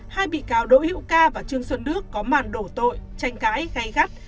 hai bị cáo đội hiệu ca và trương xuân đức có màn đổ tội tranh cãi gây gắt